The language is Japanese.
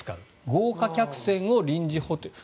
豪華客船を臨時ホテルに。